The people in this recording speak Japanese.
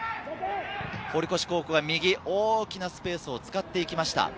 堀越高校が右、大きなスペースを使っていきました。